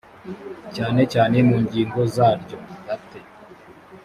cyane cyane mu ngingo zaryo date